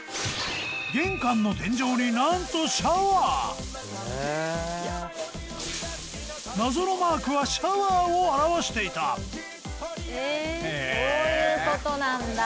玄関の天井になんと謎のマークはシャワーを表していたへそういうことなんだ。